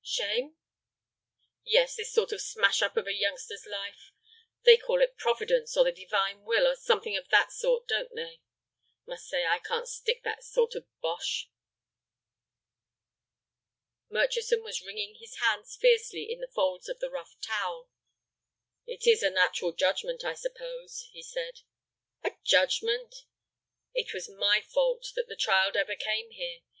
"Shame?" "Yes, this sort of smash up of a youngster's life. They call it Providence, or the Divine Will, or something of that sort, don't they? Must say I can't stick that sort of bosh." Murchison was wringing his hands fiercely in the folds of the rough towel. "It is a natural judgment, I suppose," he said. "A judgment?" "It was my fault that the child ever came here.